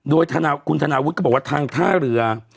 โดยคุณธนาวุฒิก็บอกว่าทางท่าเรือ